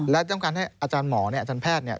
และต้องการให้อาจารย์หมออาจารย์แพทย์